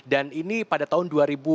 dan ini pada tahun dua ribu enam belas